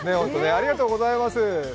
ありがとうございます。